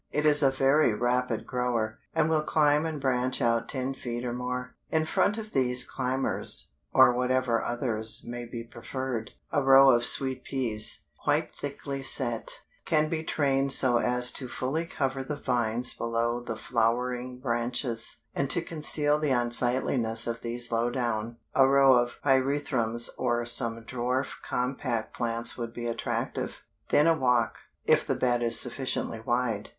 It is a very rapid grower, and will climb and branch out ten feet or more. In front of these climbers, or whatever others may be preferred, a row of Sweet Peas, quite thickly set, can be trained so as to fully cover the vines below the flowering branches, and to conceal the unsightliness of these low down, a row of Pyrethrums or some dwarf compact plants would be attractive. Then a walk, if the bed is sufficiently wide.